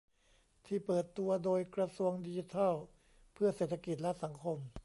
ที่เปิดตัวโดยกระทรวงดิจิทัลเพื่อเศรษฐกิจและสังคม